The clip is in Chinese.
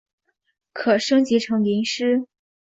可升级成麟师。